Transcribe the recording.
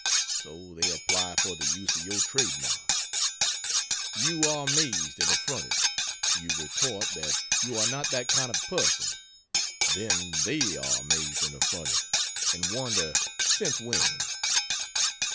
So they apply for the use of your trade mark. You are amazed and affronted. You retort that you are not that kind of person. Then they are amazed and affronted; and wonder "since when?"